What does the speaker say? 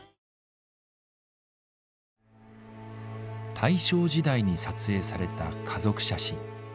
大正時代に撮影された家族写真。